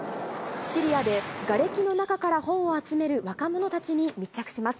シリアでがれきの中から本を集める若者たちに密着します。